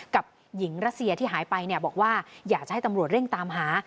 กับหญิงรัสเซียที่หายไปเนี่ยบอกว่าอยากจะให้ตำรวจเร่งตามหา